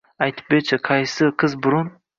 Aytib ber-chi, qaysi qiz burun